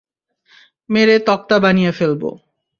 মেরে তক্তা বানিয়ে ফেলব।